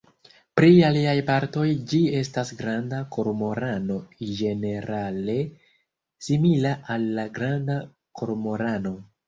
Pri aliaj partoj ĝi estas granda kormorano ĝenerale simila al la Granda kormorano.